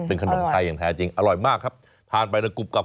เป็นขนมไทยอย่างแท้จริงอร่อยมากครับทานไปแล้วกรุบกลับ